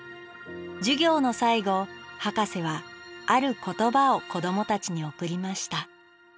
授業の最後ハカセはある言葉を子どもたちに贈りました